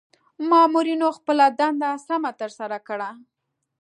مامورنیو خپله دنده سمه ترسره کړه.